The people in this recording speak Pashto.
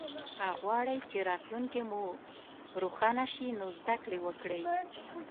که غواړی چه راتلونکې مو روښانه شي نو زده ګړې وکړئ